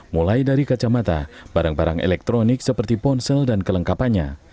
mulai dari kacamata barang barang elektronik seperti ponsel dan kelengkapannya